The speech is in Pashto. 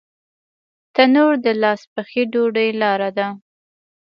تنور د لاس پخې ډوډۍ لاره ده